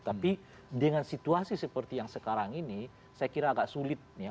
tapi dengan situasi seperti yang sekarang ini saya kira agak sulit ya